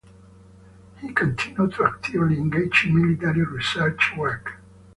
He continued to actively engage in military research work.